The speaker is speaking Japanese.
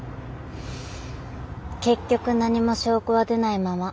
結局何も証拠は出ないまま。